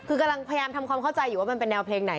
คือกำลังพยายามทำความเข้าใจอยู่ว่ามันเป็นแนวเพลงไหน